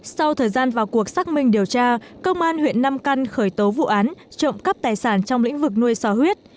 sau thời gian vào cuộc xác minh điều tra công an huyện nam căn khởi tố vụ án trộm cắp tài sản trong lĩnh vực nuôi sò huyết